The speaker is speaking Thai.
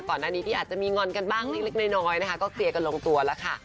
ก่อนหน้านี้ที่อาจจะมีงอนกันบ้างเล็กน้อยนะคะก็เคลียร์กันลงตัวแล้วค่ะ